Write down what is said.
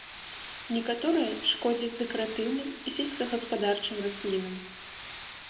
Некаторыя шкодзяць дэкаратыўным і сельскагаспадарчым раслінам.